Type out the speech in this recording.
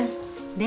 で